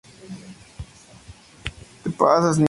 Resumen del arte Jeet Kune Do: "Crea tu propio estilo"